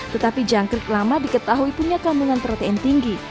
tetapi jangkrik lama diketahui punya kandungan protein tinggi